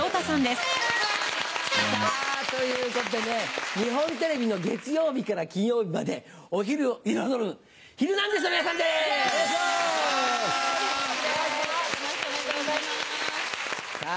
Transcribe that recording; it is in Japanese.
さぁということでね日本テレビの月曜日から金曜日までお昼を彩る『ヒルナンデス！』の皆さんです！